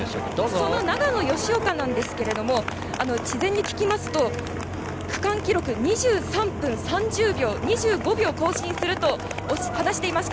長野の吉岡なんですが事前に聞きますと区間記録、２３分３０秒を２５秒更新すると話していました。